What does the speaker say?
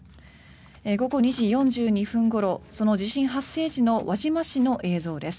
午後２時４２分ごろ地震発生時の輪島市の映像です。